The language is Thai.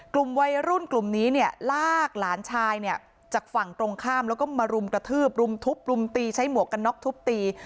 กลุ่มวัยรุ่นกลุ่มนี้เนี่ยลากหลานชายเนี่ยจากฝั่งตรงข้ามแล้วก็มารุมกระทืบรุมทุบรุมตีใช้หมวกกันน็อกทุบตี